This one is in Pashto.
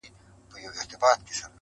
ځوان د خپلي خولگۍ دواړي شونډي قلف کړې~